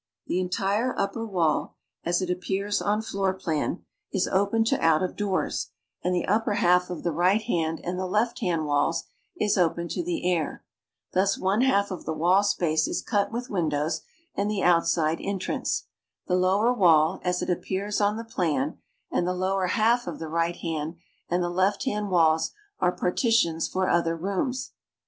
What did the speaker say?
The entire upper wall (as it apjjears on 17 floor plan) is open to out of doors, and tlic upper half of the right hand and the left hand walls is open to the air. Thus one half of the wall space is cut with windows and the outside entrance. The lower wall (as it appears on the ])lan) and the lower half of the right hand and the left hand walls are partitions for other rooms.